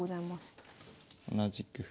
で同じく歩。